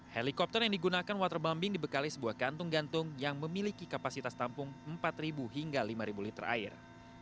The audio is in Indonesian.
helikopter yang digunakan waterbombing dibekali sebuah kantung gantung yang memiliki kapasitas tampung empat hingga lima liter air